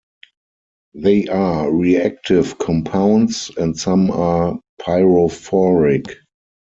They are reactive compounds and some are pyrophoric.